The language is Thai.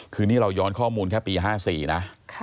คือนี่เราย้อนข้อมูลแค่ปี๕๔นะ